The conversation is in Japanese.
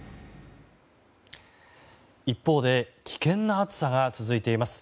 一方で、危険な暑さが続いています。